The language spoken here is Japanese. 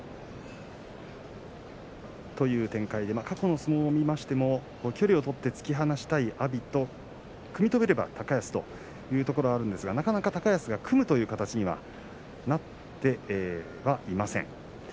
過去の相撲を見ましても距離を取って突き放したい阿炎と組み止めれば高安というところがあるんですがなかなか高安が組むという形にはなっていません。